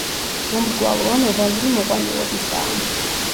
მომრგვალო ან ოვალური მოყვანილობისაა.